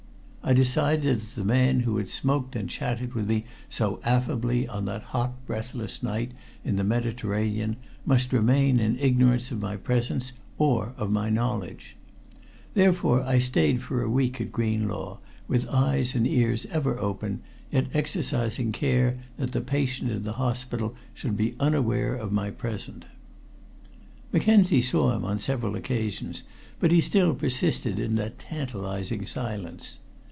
I decided that the man who had smoked and chatted with me so affably on that hot, breathless night in the Mediterranean must remain in ignorance of my presence, or of my knowledge. Therefore I stayed for a week at Greenlaw with eyes and ears ever open, yet exercising care that the patient in the hospital should be unaware of my presence. Mackenzie saw him on several occasions, but he still persisted in that tantalizing silence.